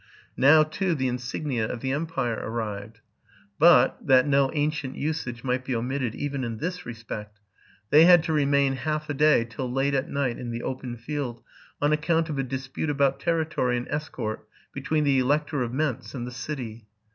Now, too, the insignia of the empire arrived. But, that no ancient usage might be omitted even in this respect, they had to remain half a day till late at night in the open field, on account of a dispute about territory and escort between the Elector of Mentz and the city.